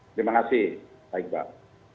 terima kasih pak iqbal